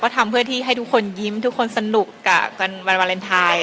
ทำเพื่อที่ให้ทุกคนยิ้มทุกคนสนุกกันวันวาเลนไทย